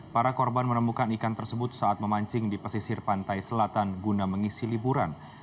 para korban menemukan ikan tersebut saat memancing di pesisir pantai selatan guna mengisi liburan